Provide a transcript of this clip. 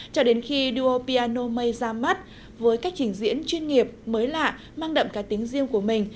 cho đến khi duo piano mây ra mắt với cách hình diễn chuyên nghiệp mới lạ mang đậm cá tính riêng của mình